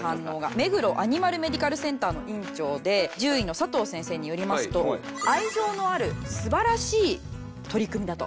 目黒アニマルメディカルセンターの院長で獣医の佐藤先生によりますと愛情のある素晴らしい取り組みだと。